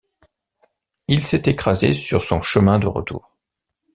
Il s'est écrasé sur son chemin de retour.